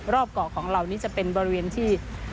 รอบเกาะของเรานี่จะเป็นบริเวณที่